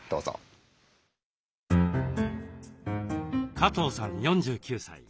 加藤さん４９歳。